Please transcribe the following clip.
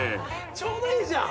ちょうどいいじゃん。